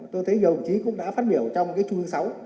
tôi thấy nhiều người cũng đã phát biểu trong cái trung ương sáu